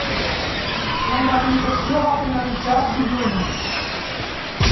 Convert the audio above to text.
La inhabilitació va finalitzar dilluns.